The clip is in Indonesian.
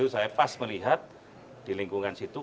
saya pas melihat di lingkungan situ